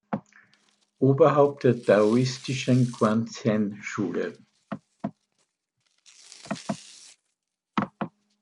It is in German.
Oberhaupt der daoistischen Quanzhen-Schule.